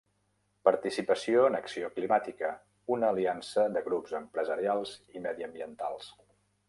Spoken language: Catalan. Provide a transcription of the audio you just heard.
Participació en acció climàtica, una aliança de grups empresarials i mediambientals.